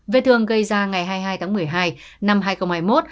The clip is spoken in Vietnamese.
vết thương gây ra ngày hai mươi hai tháng một mươi hai năm hai nghìn hai mươi một